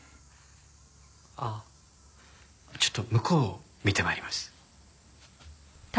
あっちょっと向こうを見て参ります。